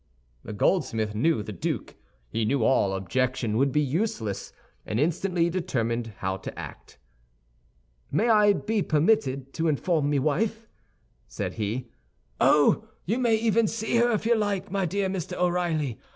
The goldsmith knew the duke. He knew all objection would be useless, and instantly determined how to act. "May I be permitted to inform my wife?" said he. "Oh, you may even see her if you like, my dear Mr. O'Reilly.